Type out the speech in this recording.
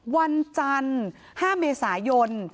วันจันทร์๕เมษายน